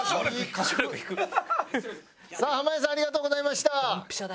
さあ濱家さんありがとうございました。